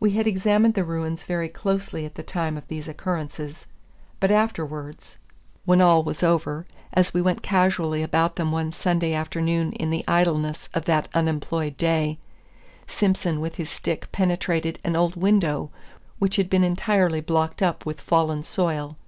We had examined the ruins very closely at the time of these occurrences; but afterwards, when all was over, as we went casually about them one Sunday afternoon in the idleness of that unemployed day, Simson with his stick penetrated an old window which had been entirely blocked up with fallen soil.